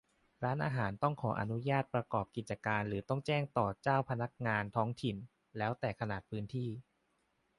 ร้านอาหารต้องขออนุญาตประกอบกิจการหรือต้องแจ้งต่อเจ้าพนักงานท้องถิ่น แล้วแต่ขนาดพื้นที่